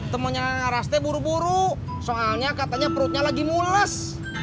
temennya neng larasnya buru buru soalnya katanya perutnya lagi mules